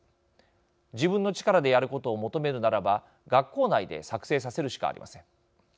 自分の力でやることを求めるならば学校内で作成させるしかありません。